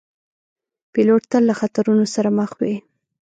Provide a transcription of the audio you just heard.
پیلوټ تل له خطرونو سره مخ وي.